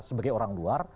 sebagai orang luar